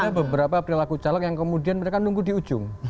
ada beberapa perilaku caleg yang kemudian mereka nunggu di ujung